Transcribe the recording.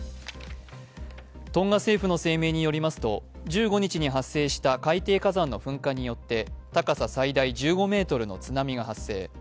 トンガ政府の声明によりますと、１５日に発生した海底火山の噴火によって高さ最大１５ｍの津波が発生。